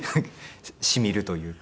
しみるというか。